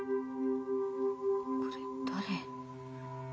これだれ？